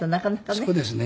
そうですね。